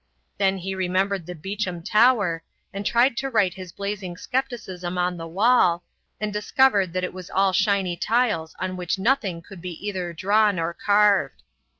Then he remembered the Beauchamp Tower, and tried to write his blazing scepticism on the wall, and discovered that it was all shiny tiles on which nothing could be either drawn or carved.